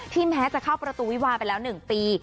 แม้จะเข้าประตูวิวาไปแล้ว๑ปี